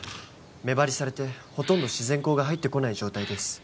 目張りされてほとんど自然光が入ってこない状態です